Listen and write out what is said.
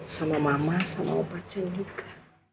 sama mama sama pacar juga